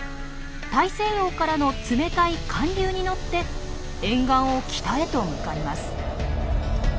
大西洋からの冷たい寒流に乗って沿岸を北へと向かいます。